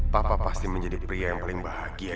papa pasti menjadi pria yang paling bahagia